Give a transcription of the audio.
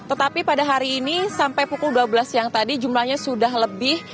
tetapi pada hari ini sampai pukul dua belas siang tadi jumlahnya sudah lebih